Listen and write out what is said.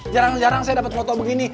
jarang jarang saya dapat foto begini